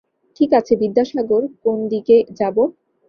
ঠিক আছে, বিদ্যাসাগর, কোন দিকে যাবো?